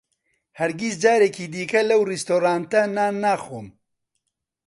ھەرگیز جارێکی دیکە لەو ڕێستورانتە نان ناخۆم.